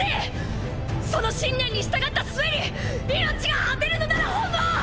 その信念に従った末に命が果てるのなら本望！